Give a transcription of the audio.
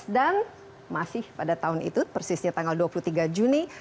dan masih pada tahun itu persisnya tanggal dua puluh tiga juni